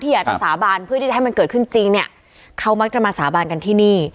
อยากจะสาบานเพื่อที่จะให้มันเกิดขึ้นจริงเนี่ยเขามักจะมาสาบานกันที่นี่